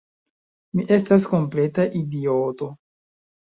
Mi estas kompleta idioto!